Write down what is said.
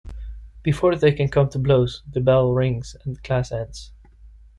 Before they can come to blows, the bell rings and class ends.